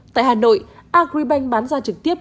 tại hà nội agribank bán ra trực tiếp